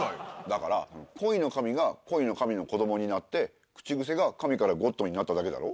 だから恋の神が恋の神の子供になって口癖が神からゴッドになっただけだろ？